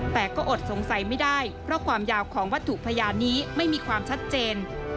แต่ก็อดสงสัยไม่ได้เพราะความยาวของวัตถุพยานนี้ไม่มีความชัดเจน